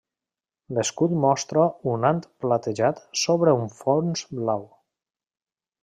L'escut mostra un ant platejat sobre un fons blau.